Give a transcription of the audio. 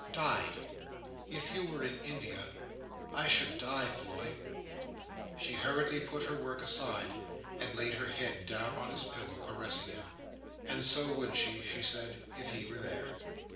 —Died. If you were in India, I should die, Floy." She hurriedly put her work aside, and laid her head down on his pillow, caressing him. And so would she, she said, if he were there.